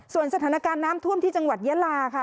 ส่วนสถานการณ์น้ำท่วมที่จังหวัดยาลาค่ะ